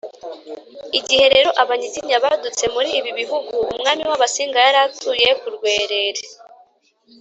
igihe rero abanyiginya badutse muri ibi bihugu, umwami w’abasinga yari atuye ku rwerere